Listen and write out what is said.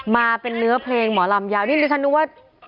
มาเป็นเนื้อเพลงหมอลำยาวนี่ดิฉันนึกว่า